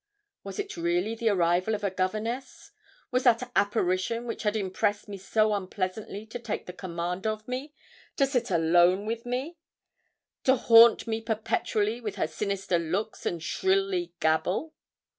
Was it really the arrival of a governess? Was that apparition which had impressed me so unpleasantly to take the command of me to sit alone with me, and haunt me perpetually with her sinister looks and shrilly gabble?